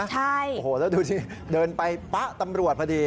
ใช่โอ้โหแล้วดูสิเดินไปป๊ะตำรวจพอดี